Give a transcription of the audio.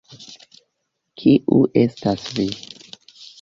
Kiu estas vi?